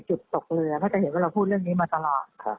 ตกเรือก็จะเห็นว่าเราพูดเรื่องนี้มาตลอด